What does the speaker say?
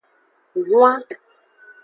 Huan.